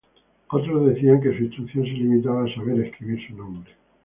Otros decían que su instrucción se limitaba a saber escribir su nombre.